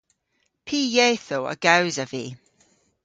Py yethow a gowsav vy?